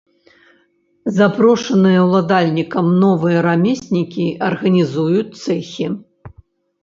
Запрошаныя ўладальнікам новыя рамеснікі арганізуюць цэхі.